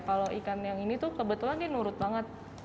kalau ikan yang ini tuh kebetulan dia nurut banget